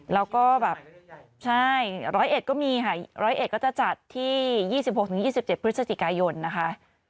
แล้วก็แบบใช่รอยเอ็ดก็มีค่ะรอยเอ็ดก็จะจัดที่๒๖๒๗พฤศจิกายนนะคะ